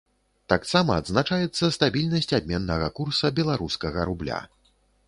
Таксама адзначаецца стабільнасць абменнага курса беларускага рубля.